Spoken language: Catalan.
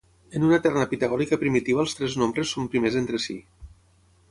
En una terna pitagòrica primitiva els tres nombres són primers entre si.